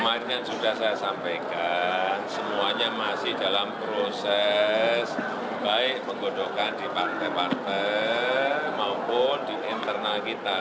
kemarin kan sudah saya sampaikan semuanya masih dalam proses baik penggodokan di partai partai maupun di internal kita